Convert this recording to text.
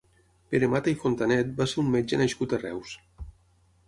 Pere Mata i Fontanet va ser un metge nascut a Reus.